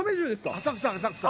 浅草、浅草！